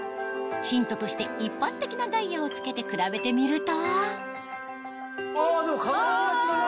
ヒントとして一般的なダイヤを着けて比べてみるとあ輝きが違うな。